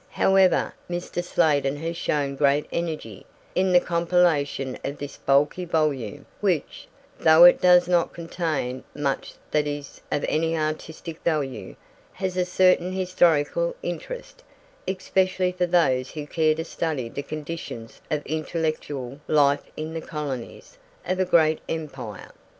However, Mr. Sladen has shown great energy in the compilation of this bulky volume which, though it does not contain much that is of any artistic value, has a certain historical interest, especially for those who care to study the conditions of intellectual life in the colonies of a great empire.